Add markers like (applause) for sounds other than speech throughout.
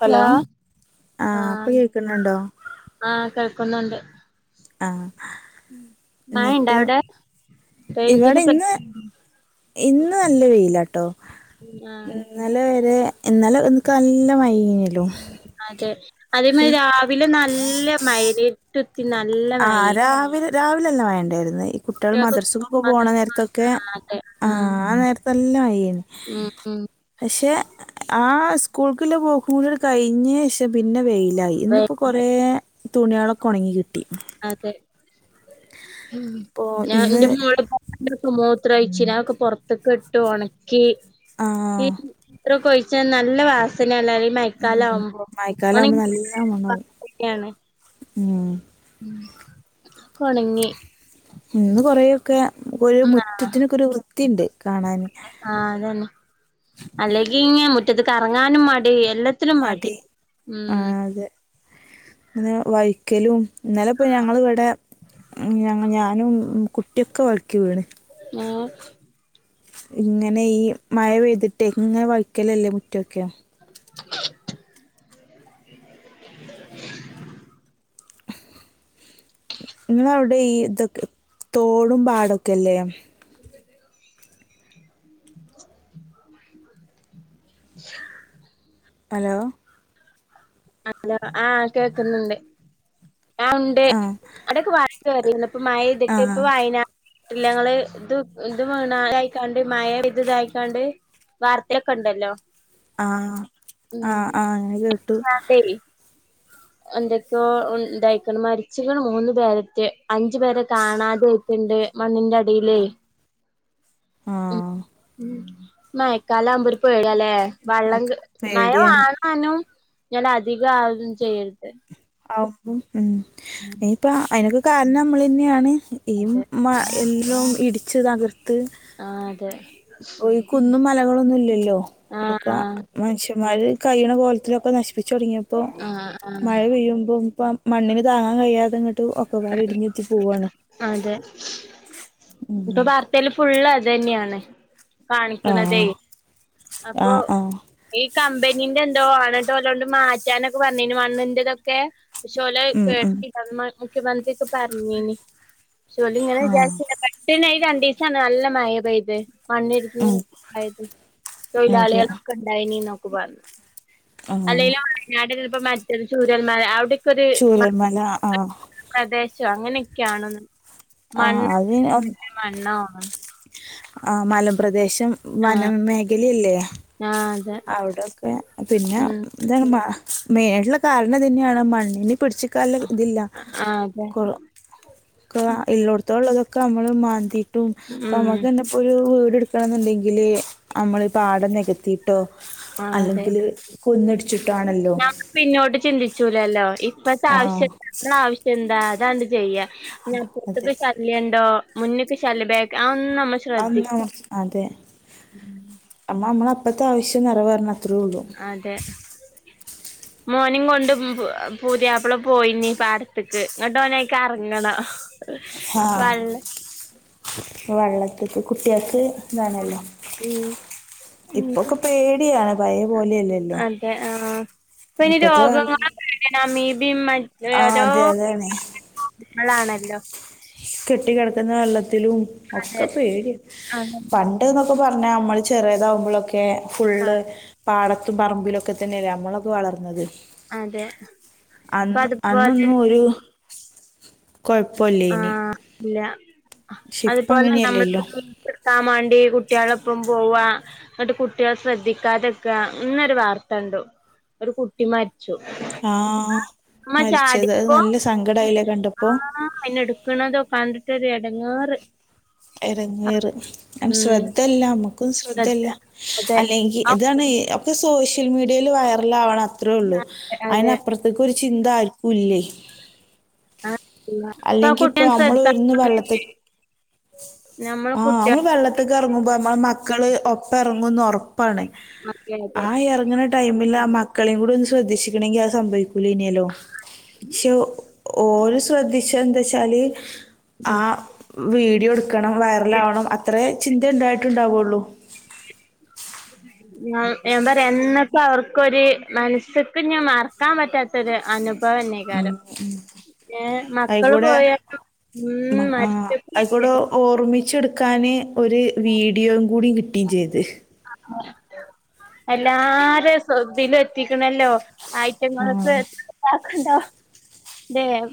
Hello ആഹ് ഇപ്പോ കേൾക്കണുണ്ടോ ആഹ് കേൾക്കുന്നുണ്ട് ആഹ് മഴണ്ടോ എന്നിട്ട് അവിടെ റേഞ്ചിന് ഇവിടെ പ്ര ഇന്ന് ഇന്ന് നല്ല വെയിലാട്ടോ ആഹ് ഇന്നാലെ വരെ ഇന്നല എൻക്ക് നല്ല മഴ അയിനാലോ അതെ അതേമാരി രാവിലെ നല്ല മയല് ഇരുട്ടത് നല്ല ആഹ് മഴേനി രാവിലെ രാവിലല്ല മഴയിണ്ടായിരുന്നു ഈ കുട്ടികള് കുട്ട്യാൾക്ക് സ്കൂൾ മദർസുക്കുക പോണ നേര മദ്രസക്ക് ത്തൊക്കെ ആഹ് അതെ ആഹ് ആഹ് നേരത്ത് നല്ല മഴേന്ന് ഉം ഉം പക്ഷെ ആഹ് സ്കൂൾക്കുള്ള പോക്ക്‌ കുടി കഴിഞ്ഞ് പിന്നെ വെയി ല്ലയി ഇന്നിപ്പോ കൊറേ തുണികളൊക്കെ ഉണങ്ങി കിട്ടി അതെ ഉം അപ്പോ ഇന്ന് ഞാൻന്റെ മോള് കോ മൂത്രഴിച്ചിനാക്ക് പൊറത്ത്ക്ക് ഇട്ട് ഒണക്കി ഈ ആഹ് മൂത്രൊകൊഴി ച്ച നല്ല വാസനല്ലേ ഈ മയക്കാലം ഉം ആവുമ്പോ അണെ മഴക്കാലാവുമ്പോ നല്ല മണാവും (unintelligible) അണേ ഉം ഉം ഇന്ന് കൊറേ ഒക്കെ ഒരു ഉം ആഹ് മുറ്റത്തിനൊക്കെ ഒരു വൃത്തിയിണ്ട് കാണാന് ആഹ് അതന്നെ അല്ലെങ്കി ഇങ്ങി മുറ്റത്തിക്ക് എറങ്ങാനും മടി എല്ല് ത്രനും മടി ഉം പിന്നെ വൈക്കലും ഇന്നലെ പോയി ഞങ്ങള് വിടെ ഞാനും കുട്ടിയൊക്കെ വയ്ക്കിവീണ് ഏഹ് ഇങ്ങനെ ഈ മഴ പെയ്തിട്ട് ഇങ്ങനെ വഴിക്കലല്ലേ മുറ്റൊക്കെ ഇങ്ങള അവിടെ ഈ ഇതൊക്കെ തോടും പാടൊക്കെല്ലേ ഹലോ അലോ ആഹ് കേക്കുന്നുണ്ട് ആഹ് ഉണ്ട് ആഹ് അവിടെക്കെ വരേ കേറിയന്ന്പ്പ മയയ്തിട്ട് ആഹ് ഇപ്പ വൈനാ ട്ടിലങ്ങള് ഇത് ഇത് മണായിക്കാണ്ട് മയ പെയ്ത്‌തായിക്കാണ്ട് വാർത്തയിലൊക്കെണ്ടല്ലോ ആഹ് ആഹ് ആഹ് ങ്ങ് കേട്ടു ടെയ് എന്തൊക്കെയോ ഉം ഇന്തായിക്കണ് മരിച്ചിക്കണ് മൂന്നു പേരറ്റെ അഞ്ചു പേരെ കാണാതായി ട്ട്ണ്ട് മണ്ണിന്റെ അടിലേയ് ഉം ആഹ് മഴക്കാലാവുമ്പോ ഒരു പേടിയാല്ലേ മക്ക വള്ളംങ്ക് പേടിയാണ് മയവാണാനും ഞല് അധികം ആവും ചെയ്യരുത് (unintelligible) ഉം ഉം ഇപ്പ അതിനൊക്കെ കാരണം ഞമ്മളന്നെയാണ് ഈ അതെ മ എല്ലും ഇടിച്ച് തകർത്ത് ആഹ് അതെ ഇപ്പൊ കുന്നും മലകളൊന്നും ഇല്ലല്ലോ ഒക്ക ആഹ് ആഹ് മനുഷ്യന്മാര് കയ്യ്ണ പോൽത്തിലൊക്കെ നശിപ്പിച്ചു തുടങ്ങിയപ്പോ ആഹ് മഴ പെയ്യുമ്പോ ഇപ്പം മണ്ണിന് താങ്ങാൻ കഴിയാതെങ്ങട്ട് ഒക്കപാട് ഇടിഞ്ഞ്ത്തി പോവാണ് അതെ ഇപ്പൊ ഉം വാർത്തേല് ഫുള്ള് അതന്നേണ് ആഹ് കാണിക്കണതേയ് അപ്പൊ ആഹ് ആഹ് ഈ കമ്പനീന്റെന്തോ ആണ് ട്ടോ അതോണ്ട് മാറ്റാനൊക്കെ പറഞ്ഞീന്ന്മണ്ണിന്റെതൊക്കെ പക്ഷേ ഓലെ ഉം ഉം (unintelligible) മുഖ്യമന്ത്രിക്കെ പറഞ്ഞീനി പക്ഷേ ഓല് ഇങ്ങനെ ആഹ് വിചാരിച്ചില്ല പെട്ടണയിരണ്ടീസാണ് നല്ല മഴ പെയ്ത് ഉം മണ്ണ്ട്ച്ചിണ്ടായത് അതെ തൊഴിലാളികളൊക്കെ ഉണ്ടായിനീന്നൊക്കെ പറഞ്ഞു ആഹ് അല്ലേലും (unintelligible) ഇപ്പോ മറ്റൊരു ചൂരൽമര അവിടെക്കൊരു മ ചൂരൽമല ആഹ് പ്രദേശോ അങ്ങനെയൊക്കെയാണെന്ന് ആഹ് മണ്ണ് അതിന് മണ്ണോ ആഹ് മലംപ്രദേശം ആഹ് വനം മേഖലിഅല്ലേ ആഹ് അതെ അവിടൊക്കെ പിന്നെ ഉം ഇതാണ് മാ മെയിനായിട്ടുള്ള കാരണം ഇതന്നെയാണ് മണ്ണിന് പിടിച്ച് ക്കാൻള്ള ഇതില്ല ആഹ് അതെ കൊറ കൊറാ ഇല്ലോട്തോൾള്ളതൊക്കെ നമ്മള് മാന്തിട്ടും ഇപ്പമ്മ ഉം ന്നെ ഫുൾ വീട് എടുക്കണന്നുണ്ടെങ്കില് നമ്മള് പാടം നികത്തി ട്ടോ ആഹ് അതെ അല്ലെങ്കില് കുന്നിടിച്ചിട്ടാണല്ലോ നമ്മ പിന്നോട്ട് ചിന്തിച്ചൂലല്ലോ ഇപ്പത്തെ ആ ആവശ്യം ആവശ്യം എന്താ അതാണ്ട് ചെയ്യാ ന്നാ അതെ അപ്പുറത്തേക്ക് ശല്യണ്ടോ മുന്ന്ക്ക് ശല്യ ബേ അതൊന്നും നമ്മ ശ്രദ്ധി അന്ന് അമ്മ അമ്മള അപ്പഴത്തെ ആവശ്യം നിറവേറണം അത്രേള്ളൂ അതെ മോനിം കൊണ്ട് പുതിയാപ്പള പോയിനീ പാടത്ത്ക്ക് ഇങ്ങട്ട് ഓനൈക്കറങ്ങണം ആഹ് വെള്ളത്ത്ക്ക് കുട്ട്യാക്ക് ഇതാണല്ലോ ഉം ഇപ്പൊക്കെ പേടിയാണ് പയേപോലെയല്ലല്ലോ അതെ ആഹ് ഇപ്പയിന് വെള്ള രോഗങ്ങളെ പേടിയാ അമീബി മാ ആ ഓരോ അതെ അതാണ് (unintelligible) ങ്ങളാണല്ലോ കെട്ടികെടക്കുന്ന വെള്ളത്തിലും അതെ ഒക്കെ പേടിയാ അതെ പൺ ണ്ട്ന്നൊക്കെ പറഞ്ഞാ നമ്മള് ചെറിയതാകുമ്പളൊക്കെ ഫുള്ള് ആഹ് പാടത്തും പറമ്പിലൊക്കെ തന്നെയല്ലേ നമ്മളൊക്കെ വളർന്നത് അതെ ഇപ്പൊ അന്ന് അതുപോലെ അന്നൊന്നും ഒരു കൊഴപ്പോ ആ ഇല്ല പക്ഷെ ഇപ്പ അതുപോലെ നമ്മള അങ്ങനെയല്ലല്ലോ (unintelligible) നിർത്താൻ മാണ്ടി കുട്ട്യാളൊപ്പം പോവാ ഇന്നിട്ട് കുട്ട്യാളെ ശ്രദ്ധിക്കാതെക്കാ ഇന്നൊരു വാർത്ത കണ്ടു ഒരു കുട്ടി മരി ച്ചു ആ ഉമ്മച്ചാടി മരിച്ചത് അത് നല്ല സങ്കടായില്ലേ കണ്ടപ്പോ ആഹ് അയിനെ എടുക്കണതും കണ്ടിട്ടൊരു എടങ്ങാറ് എടങ്ങേറ് (unintelligible) ഉം ശ്രദ്ധയില്ല നമ്മക്കും ശ്രദ്ധ ശ്രദ്ധയില്ല അതെ അല്ലെങ്കി ഇതാണെ ഒക്കെ സോഷ്യൽമീഡിയയിൽ വൈറലാവണം അത്രേ ഉള്ളൂ അതെ അതെ അതിനപ്പുറ അതൊക്കെ ഒരു ചിന്ത ആരിക്കൂല്ലേ ആഹ് ഇപ്പൊ ആ കുട്ടീനെ നമ്മൾ ശ്രദ്ധ ഇരുന്ന് (unintelligible) ആഹ് അമ്മള് വെള്ളത്ത്ക്ക് എറങ്ങുമ്പോ അമ്മളെ മക്കള് ഒപ്പൊറെങ്ങുന്ന് ഒറപ്പാണ് അതെ അതെ ടൈമിലാ ആ മക്കളെയും കൂടി ഒന്ന് ശ്രദ്ധിച്ചിക്കണങ്കില് അത് സംഭവിക്കൂലെനല്ലോ പക്ഷെ ഓല് ശ്രദ്ധിച്ചെന്തേച്ചാല് ആ വ് വീഡിയോ എടുക്കണം വൈറലാവണം അത്രേ ചിന്തയിണ്ടായിട്ടുണ്ടാവൂള്ളൂ (unintelligible) ഞാൻ പറയാ എന്നപ്പ അവർക്കൊരു മനസ്സ്ക്ക്ഞ്ഞി മറക്കാൻ പറ്റാത്ത ത്തൊരു ഉം അനുഭവന്നെയ്കാരം ഉം ഏഹ് മക്കള് അയിക്കൂടെ പോയാലും ഉം മ ആഹ് അയിക്കൂടെ മരിച്ചപ്പോലേക്കാരം ഓർമിച്ചെടു ക്കാന് ഒരു വീഡിയോ കൂടി കിട്ടേം ചെയ്ത് എല്ലാരെ സൊ ഇതില് എത്തിക്കണല്ലോ ഐറ്റങ്ങൾക്ക് ആഹ് (unintelligible)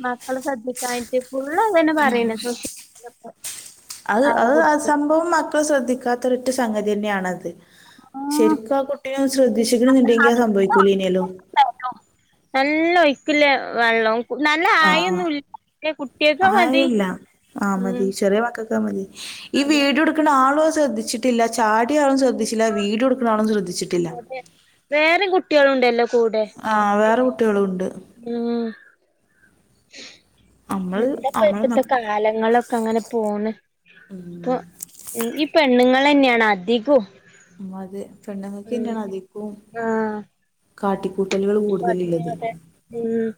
ല്ലേ മക്കളെ ശ്രദ്ധിക്കാഞ്ഞിട്ട് ഫുള്ള് അതന്നെ ഉം പറയണെ സോഷ്യൽ മീഡിയയിലൊക്കെ അത് ആരെ അത് ആ കുറിച്ച് സംഭവം മക്ക് ക്കളെ ശ്രദ്ധിക്കാത്ത ഒരൊറ്റ സംഗതി തന്നെയാണത് ആഹ് ശരിക്ക് ആ കുട്ടീനെ ഒന്ന് ശ്രദ്ധിച്ചിക്കണ്ന്ന്ണ്ടെങ്കി അത് സംഭവിക്കൂലെനിയല്ലോ (unintelligible) നല്ല ഒയ്ക്ക്ള്ള വെള്ളം നല്ല ആഹ് ആയൊന്നുല്ല (unintelligible) കുട്ടിയേക്ക് ആയില്ല ആ മതി ചെറിയ മക്കക്ക് അത് മതി ഈ അതെ വീഡിയോട് ടുക്കണ ആളു അത് ശ്രദ്ധിച്ചിട്ടില്ല ചാടിയാളും ശ്രദ്ധിച്ചില്ല വീഡിയോ എടുക്കണ ആളും ശ്രദ്ധിച്ചിട്ടില്ല വേറേം കുട്ടിയേളുണ്ടല്ലോ കൂടെ ആഹ് വേറെ കുട്ടികളും ഉണ്ട് ഉം നമ്മള് എന്തപ്പ നമ്മളെ ഇപ്പത്തെ മക്ക കാലങ്ങളൊക്കെ അങ്ങനെ പോണ് ഉം ഇപ്പൊ ഉം ഈ പെണ്ണുങ്ങളെന്നെയാണ് അതികോം ഉം അതെ പെണ്ണുങ്ങക്ക് തന്നെയാണ് അതികോം ആഹ് കാട്ടിക്കൂട്ടലുകൾ കൂ (unintelligible) അതെ ഉം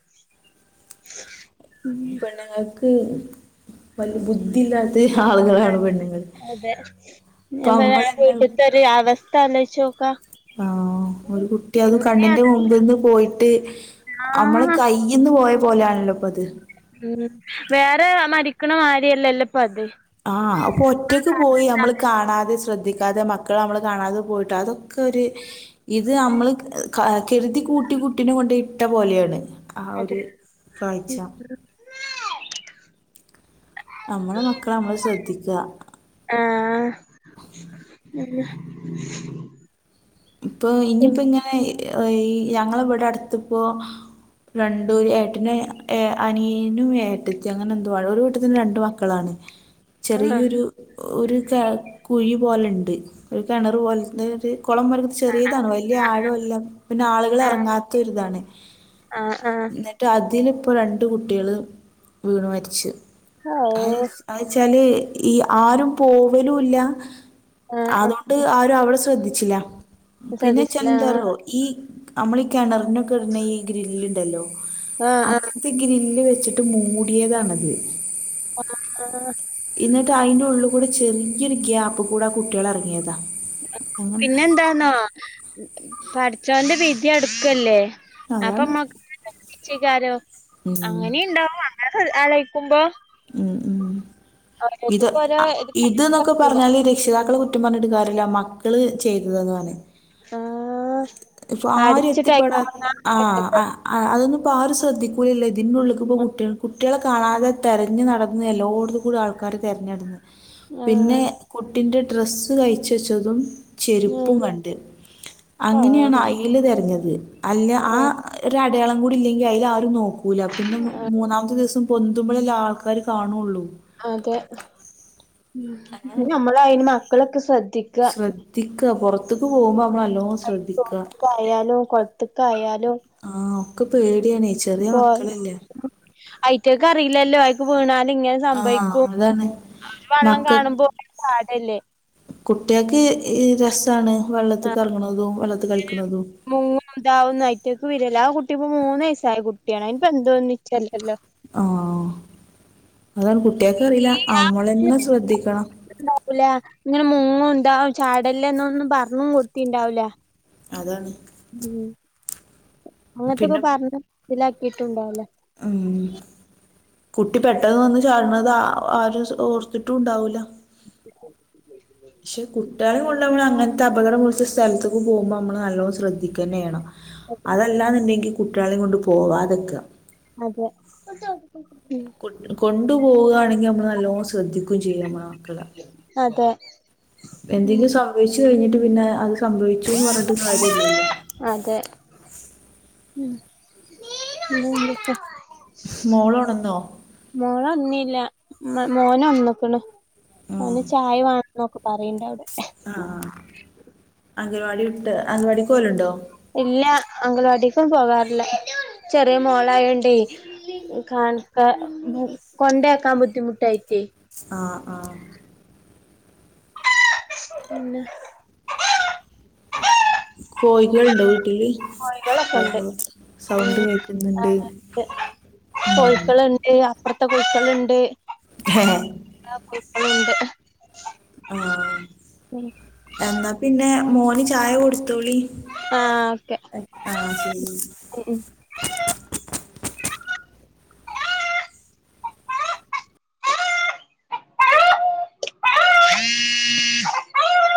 പെണ്ണുങ്ങക്ക് വല് ബുദ്ധിയില്ലാ ത്ത് ആളുകളാണ് ആഹ് പെണ്ണുങ്ങള് അതെ ഇപ്പ ഞാൻ പറയാ ആ അമ്മളെന്നെ (unintelligible) അവസ്ഥ അലോയിച്ചോക്കാ ആഹ് ഒരു കുട്ടി അത് കണ്ണിന്റെ അത് മുമ്പിന്ന് പോയിട്ട് അമ്മളെ ആഹ് കൈയിന്ന് പോയ പോലെയാണല്ലോ ഇപ്പൊ അത് ഉം വേറെ മരിക്കണ മാരിയല്ലല്ലോ ഇപ്പൊ അത് ആഹ് ആപ്പൊ ഒറ്റക്ക് പോയി നമ്മള് കാരണത്താല് കാണാതെ ശ്രദ്ധിക്കാതെ മക്കൾ നമ്മള് കാണാതെ പോയിട്ട് അതൊക്ക് ക്കെ ഒരു ഇത് നമ്മള് ക കെരുതി കൂട്ടി കുട്ടിനെ കൊണ്ട് ഇട്ട പോലെയാണ് ആഹ് ഒരു അതെ കാഴ്ച നമ്മളെ മക്കള നമ്മള് ശ്രദ്ധിക്ക ആഹ് പിന്നെ ഇപ്പൊ ഇനിയിപ്പോ ഇങ്ങനെ അയ് ഞങ്ങള ഇവിടെ അടുത്തപ്പോ രണ്ടുര് ഏട്ടനഏ അനിയനും ഏട്ടത്തി അങ്ങനെ എന്തുവാ ഒരു കീട്ടത്തിന് രണ്ടു മക്കളാണ് (inaudible) ചെറിയൊരു ഒരു കുഴി പോലെുണ്ട് ഒരു കിണർ പോലെ ഒരു കുളം വര ചെറിയതാണ് വലിയ ആഴമ എല്ലാം പിന്നെ ആളുകൾ ആഹ് ഇറങ്ങാത്ത ഒരിതാണ് ആഹ് ആഹ് പട്ട അതിലിപ്പോ രണ്ട് കുട്ടികൾ വീണ് മരിച്ചു ഹാവൂ അയ്വെച്ചാല് ഈ ആരും പോവലുല്ല ആഹ് അതൊ ണ്ട് ആരും അവിടെ ശ്രദ്ധിച്ചില്ല ആഹ് പിന്നെ ശ്രദ്ധിച്ചില്ല ചെലന്താറോ ഈ നമ്മൾ ഈ കിണറിനൊക്കെ ഇടുന്ന ഈ ഗ്രില്ലണ്ടല്ലോ ആഹ് അ ആഹ് ആഹ് ഇത് ഗ്രില്ല് വെച്ചിട്ട് മൂടിയതാണത് (unintelligible) എന്നിട്ട് അയിന്റെ ഉള്ളിൽ കൂടെ ചെറിയൊരു ഗ്യാപ്പ് കൂടെ ആ കുട്ട്യാൾ ഇറങ്ങിയതാ പിന്നെന്താന്നോ പഠിച്ചവന്റെ വിതി അടുക്കല്ലേ അതാണ് അപ്പൊമ്മക്ക് ക്ഷിക്കാരോ ഉം അങ്ങനെയുണ്ടാവ അലേയ്ക്കുമ്പോ ഉം ഉം ഇത് ഓരോ ഇത് ഇത്ന്നൊക്കെ കണക്കാക്കില്ലേ പറഞ്ഞാല് രക്ഷിതാക്കൾ കുറ്റം പറഞ്ഞഞ്ട്ട് ക്കാര്യല്ല മക്കള് ചെയ്തതാണ് ആഹ് ഇപ്പൊ ആരും അടച്ചിട്ടയ്ക്ക് എത്തിപ്പെടാ ആഹ് ഉറങ്ങാല്ലോ ആഹ് ആഹ് അതൊന്നുംപ്പോൾ ആ ഒരു ശ്രദ്ധിക്കൂലല്ലോ ഇന്റെള്ളേക്ക്പ്പോ കുട്ടികൾ കുട്ടികളെ കാണാതെ തെരഞ്ഞു നടന്ന് എല്ലായിടത്തും കൂടി ആൾക്കാാര് തിരഞ്ഞെടുന്ന് പിന്നെ ആഹ് കുട്ടിന്റെ ഡ്രെസ്സ് കഴിച്ചച്ചതും ഉം ചെരുപ്പും കണ്ട് ആഹ് അങ്ങനെയാണ് ആ അയ്ല് തെരഞ്ഞത് അല്ല ആ ആഹ് ഒരു അടയാളം കൂടി ഇല്ലെങ്കിൽ അതിൽ ആരും നോക്കും ൂല പിന്നെ മൂന്നാമത്തെ ദിവസം പൊന്ന്തുമ്പോളെല്ല ആൾക്കാര് കാണുള്ളൂ അതെ നമ്മൾ അയ്ന് മക്കളൊക്കെ ശ്രദ്ധിക്ക ശ്രദ്ധിക്ക പൊർത്ത്ക്ക് പോവുമ്പോ നല്ലോം ശ്രദ്ധിക്ക. ക്കായാലും കൊള്ത്ത്ക്കായാലും. ആഹ് ഒക്കെ പേടിയാണേ ചെറിയ മക്കളല്ലേ. ഐറ്റക്ക് അറീലല്ലോ ഐക്ക് വീണാല് ഇങ്ങെനെ. ആഹ് സംഭവിക്കും അതാണ് അവര് വെള്ളം മക്ക കാണുമ്പോക്ക് ചാടല്ലേ. കുട്ട്യാക്ക് ഹ് രസാണ് വെള്ളത്തിക്ക് എർങ്ങ് ണതും വെള്ളത്തി കളിക്ക്ണതും. മുങ്ങുംതാവുന്നയ്റ്റ്ങ്ങക്ക് വിരല്ല ആ കുട്ടി ഇപ്പോ മൂന്ന് വയസായ കുട്ടിയാണ് അയ്നിപ്പൊ എന്തോന്നിച്ചല്ലല്ലോ. ആഹ് അതാണ് കുട്ട്യാക്ക് അറീല്ല അമ്മളെന്നെ ശ്രദ്ധിക്കണം. ണ്ടാവൂല ഇങ്ങനെ മുങ്ങും താവും ചാടല്ലെന്നൊന്നും പറഞ്ഞും കൊടുത്തിണ്ടാവൂല. അതാണ്. ഉം അങ്ങൻത്തൊക്കെ പിന്നെ പറഞ്ഞും മൻസിലാക്കിട്ടുണ്ടാവുല. അം. കുട്ടി പെട്ടെന്ന് വന്ന് ചാട്ണത് ഹ് ആ ആരും ഓർത്തിട്ടും ഉണ്ടാവൂല. (inaudible) പക്ഷെ കുട്ടിയാളെ കൊണ്ട് നമ്മള് അങ്ങന് ത്തെ അപകടം പിട്ച്ച സ്ഥലത്ത്ക്ക് പോവുമ്പോ നമ്മള് നല്ലോം ശ്രദ്ധിക്കന്നെ ചെയ്യണം. അതെല്ലാന്ന്ണ്ടെങ്കി കുട്ടിയാളെ കൊണ്ട് പോവാതെക്കാ. അതെ ഉം. കൊണ്ട് പോവാണെങ്കി നമ്മള് നല്ലോണം ശ്രദ്ധിക്കും ചെയ്യ മ്മളെ മക്കളെ. അതെ. ഉം എന്തെങ്കിലും സംഭവിച്ചു കൈഞ്ഞിട്ട് പിന്നെ അത് സംഭവിച്ചുന്ന് പർഞ്ഞിട്ട് കാര്യല്ലല്ലോ. അതെ ഹ്മ് പിന്നെന്തൊക്കെ. മോളൊണൊന്നോ? മോളൊണ്ന്നീല മൊമോൻ ഒണ് ന്ന്ക്ക്ണ് ഓന് ചായ വാണം. ന്നൊക്കെ പറിണ്ടഉടെ. ആഹ് അംഗൽവാടി വിട്ട് അംഗൽവാടിക്ക് പോവലുണ്ടോ? ഇല്ല അംഗൽവാടിക്കൊന്നും പോകാറില്ല ചെറിയ മോളായോണ്ടേ. ഹ്കാണ് ക്ക കൊണ്ടാക്കാൻ ബുദ്ധിമുട്ടായോണ്ടെ. ആഹ് ആഹ്. പിന്നെ. കോഴികളുണ്ടോ വീട്ടില്? കോഴികളൊക്കെ ഇണ്ട് കോഴികൾ ഹ്മ് സൗണ്ട് കേൾക്കുന്നുണ്ട് ആഹ് ണ്ട് കോയ്ക്കള്. ഏഹ് അപ്പൊർത്തെ കോയ്ക്കള്ണ്ട്. ഹ് ഹെ. ആഹ് കൂട്ട്ല്ണ്ട്. ആഹ് എന്നാ പിന്നെ മോന് ചായ കൊടുത്തോളി. ആഹ് ഓക്കെ ആ ശരി ഹ് ഹ്മ്. (unintelligible) (unintelligible)